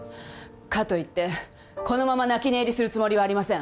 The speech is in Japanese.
かといってこのまま泣き寝入りするつもりはありません。